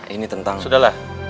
ini tentang sudahlah